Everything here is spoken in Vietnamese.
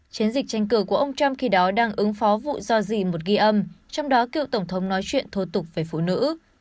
chiến dịch tranh cử của ông trump khi đó đang ứng phó vụ do gì một ghi âm trong đó cựu tổng thống nói chuyện thô tục về phụ nữ